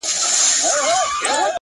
د ښکلا د دُنیا موري. د شرابو د خُم لوري.